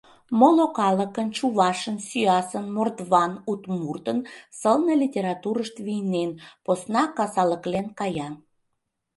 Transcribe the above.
Моло калыкын — чувашын, сӱасын, мордван, удмуртын — сылне литературышт вийнен, посна касалыклен кая.